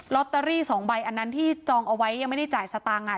ตเตอรี่สองใบอันนั้นที่จองเอาไว้ยังไม่ได้จ่ายสตางค์อ่ะ